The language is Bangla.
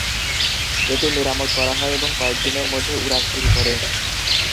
এটি মেরামত করা হয় এবং কয়েক দিনের মধ্যে উড়ান শুরু করে।